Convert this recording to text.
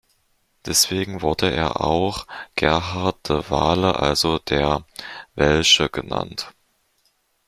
Deswegen wurde er auch "Gerhard de Wale", also der Welsche genannt.